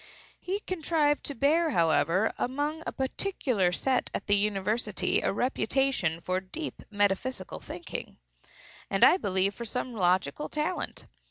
He contrived to bear, however, among a particular set at the university, a reputation for deep metaphysical thinking, and, I believe, for some logical talent.